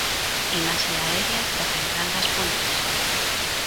Imaxe aérea da central das Pontes.